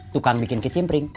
tukang bikin kecimpring